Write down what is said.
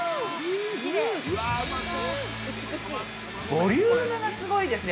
ボリュームがすごいですよ。